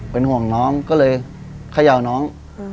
เป็นห่วงน้องก็เลยเขย่าน้อง